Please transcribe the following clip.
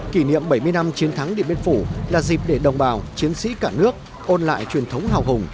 kỷ niệm bảy mươi năm chiến thắng điện biên phủ là dịp để đồng bào chiến sĩ cả nước ôn lại truyền thống hào hùng